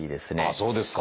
そうですか。